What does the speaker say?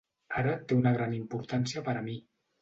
Ara té una gran importància per a mi